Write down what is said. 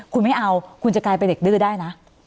คุณไม่เอาคุณจะกลายเป็นเด็กดื้อได้นะ